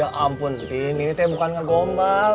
ya ampun tim ini teh bukan ngegombal